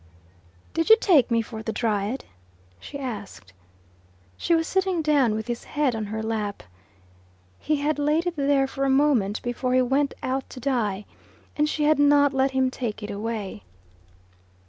"Did you take me for the Dryad?" she asked. She was sitting down with his head on her lap. He had laid it there for a moment before he went out to die, and she had not let him take it away.